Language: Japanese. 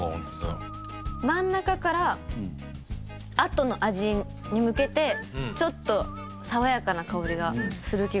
真ん中からあとの味に向けてちょっと爽やかな香りがする気がします。